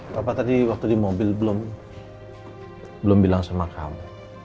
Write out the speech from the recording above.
bapak tadi waktu di mobil belum bilang sama kamu